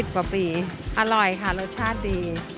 กว่าปีอร่อยค่ะรสชาติดี